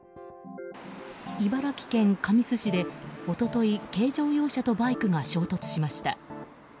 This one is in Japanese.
茨城県神栖市で一昨日軽乗用車とバイクが衝突しました。